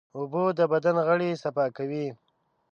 اوبه د بدن غړي صفا کوي.